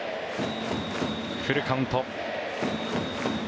フルカウント。